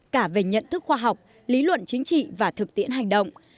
cả về nhận thức khoa học lý luận chính trị và thực tiễn hành động